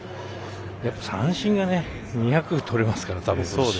三振が２００とれますから。